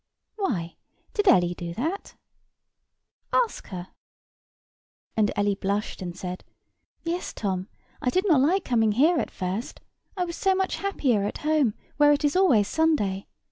"Why, did Ellie do that?" "Ask her." And Ellie blushed, and said, "Yes, Tom; I did not like coming here at first; I was so much happier at home, where it is always Sunday.